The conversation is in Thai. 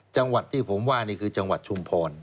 จังหวัดที่ผมว่านี่คือจังหวัดชุมพร